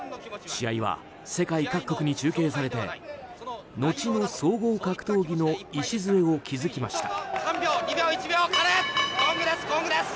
試合は世界各国に中継されて後の総合格闘技の礎を築きました。